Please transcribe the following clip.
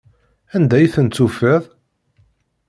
Anda i ten-tufiḍ?